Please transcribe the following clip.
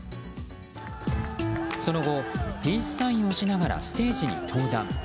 その後、ピースサインをしながらステージに登壇。